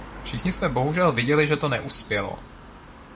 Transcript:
Všichni jsme bohužel viděli, že neuspělo.